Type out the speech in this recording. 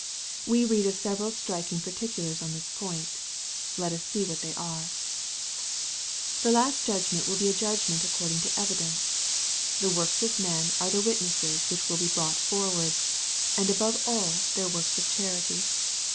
We read of several striking particulars on this point. Let us see what they are. The last judgment will be a judgment according to evidence. The works of men are the witnesses which will be brought forward, and above all their works of charity.